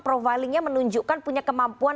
profilingnya menunjukkan punya kemampuan